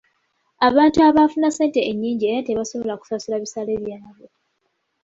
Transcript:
Abantu abafuna ssente ennyingi era tebasobola kusasula bisale byabwe.